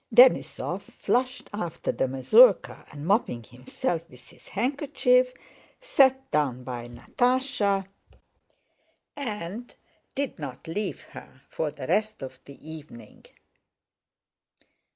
Denísov, flushed after the mazurka and mopping himself with his handkerchief, sat down by Natásha and did not leave her for the rest of the evening.